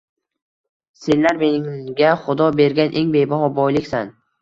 Senlar menga Xudo bergan eng bebaho boyliksan.